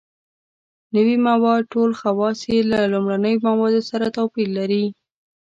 نوي مواد ټول خواص یې له لومړنیو موادو سره توپیر لري.